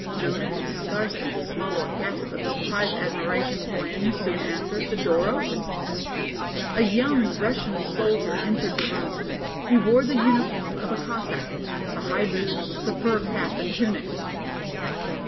Nona could scarcely swallow a gasp of surprised admiration when, soon after, the door opened. A young Russian soldier entered the room. He wore the uniform of a Cossack: the high boots, the fur cap and tunic.